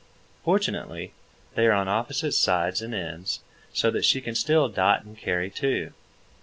Fortunately, they are on opposite sides and ends, so that she can still dot and carry two.